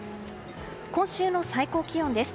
今週の最高気温です。